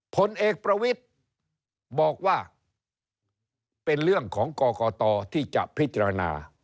ผลเอกประวิทย์บอกว่าเป็นเรื่องของกรกตที่จะพิจารณา